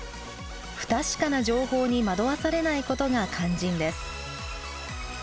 不確かな情報に惑わされないことが肝心です。